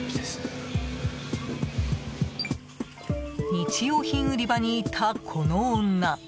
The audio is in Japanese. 日用品売り場にいた、この女。